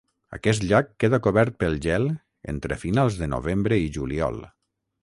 Aquest llac queda cobert pel gel entre finals de novembre i juliol.